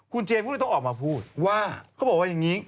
คุณเจมสก็เลยต้องออกมาพูดว่าเขาบอกว่าอย่างนี้